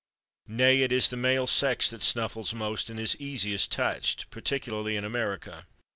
Nay, it is the male sex that snuffles most and is easiest touched, particularly in America.